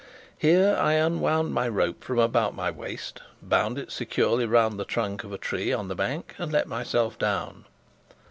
Here I unwound my rope from about my waist, bound it securely round the trunk of a tree on the bank, and let myself down.